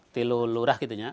di luar luar gitu ya